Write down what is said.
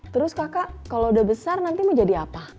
terus kakak kalau udah besar nanti mau jadi apa